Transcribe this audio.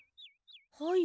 はい。